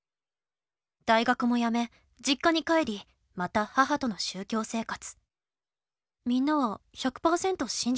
大学もやめ、実家に帰り、また母との宗教生活」。